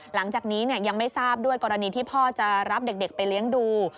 หลังจากนี้ยังไม่ทราบด้วยกรณีที่พ่อจะรับเด็กไปเลี้ยงดู